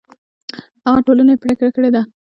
هغه ټولنې پرېکړه کړې ده